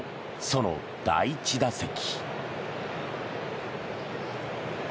その第１打席。